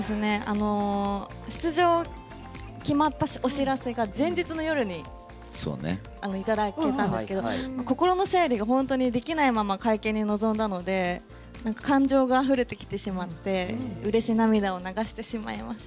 出場決まったお知らせが前日の夜にいただけたんですが心の整理が本当にできないまま会見に臨んだので感情があふれてきてしまってうれし涙を流してしまいました。